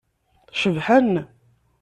Cebḥen.